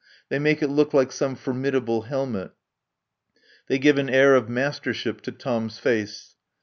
They make it look like some formidable helmet. They give an air of mastership to Tom's face.